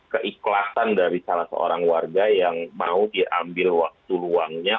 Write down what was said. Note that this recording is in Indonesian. keikhlasan dari salah seorang warga yang mau diambil waktu luangnya